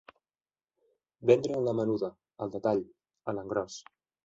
Vendre a la menuda, al detall, a l'engròs.